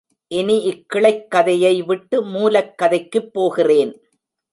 இனி இக் கிளைக் கதையை விட்டு மூலக் கதைக்குப் போகிறேன்.